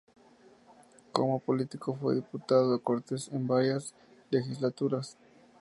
Como político fue diputado a Cortes en varias legislaturas.